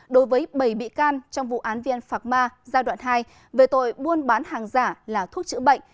đối với bảy bị can trong vụ án vn phạc ma giai đoạn hai về tội buôn bán hàng giả là thuốc chữa bệnh